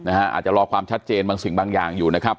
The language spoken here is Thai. อาจจะรอความชัดเจนบางสิ่งบางอย่างอยู่นะครับ